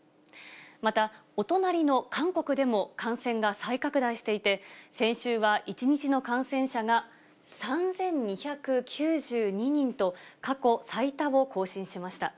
またお隣の韓国でも感染が再拡大していて、先週は１日の感染者が３２９２人と、過去最多を更新しました。